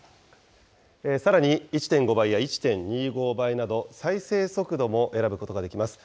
さらに１．５倍や１．２５倍など、再生速度も選ぶことができます。